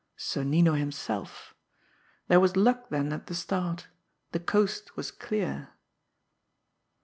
Sonnino himself! There was luck then at the start the coast was clear!